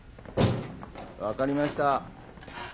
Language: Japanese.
分かりました。